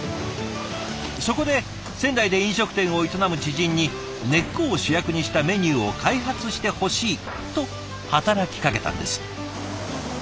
そこで仙台で飲食店を営む知人に「根っこを主役にしたメニューを開発してほしい」と働きかけたんです。